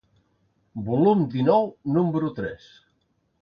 Volum dinou, número tres.